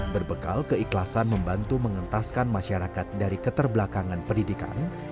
berbekal keikhlasan membantu mengentaskan masyarakat dari keterbelakangan pendidikan